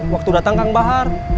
waktu datang kang bahar